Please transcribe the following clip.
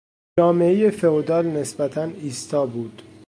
جامعهی فئودال نسبتا ایستا بود.